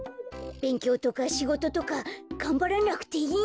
べんきょうとかしごととかがんばらなくていいんだ！